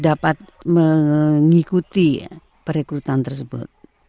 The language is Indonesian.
dapat mengikuti perekrutan tersebut